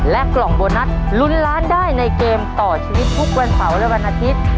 กล่องโบนัสลุ้นล้านได้ในเกมต่อชีวิตทุกวันเสาร์และวันอาทิตย์